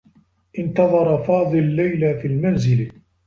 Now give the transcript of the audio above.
انتظر فاضل ليلى في المنزل.